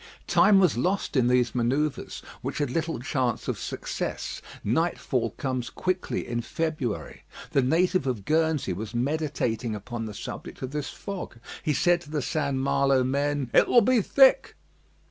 Time was lost in these manoeuvres, which had little chance of success. Nightfall comes quickly in February. The native of Guernsey was meditating upon the subject of this fog. He said to the St. Malo men: "It will be thick!"